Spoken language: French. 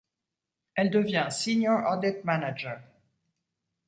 Elle devient Senior Audit Manager.